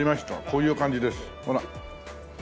こういう感じですほら。